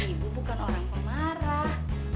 ibu bukan orang pemarah